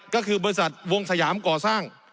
ก็คือบริษัทวงสยามก่อสร้าง